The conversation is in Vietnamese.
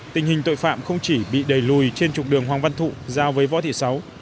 tình hình tội phạm không chỉ bị đẩy lùi trên trục đường hoàng văn thụ giao với võ thị sáu